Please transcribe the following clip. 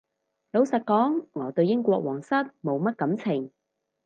老實講我對英國皇室冇乜感情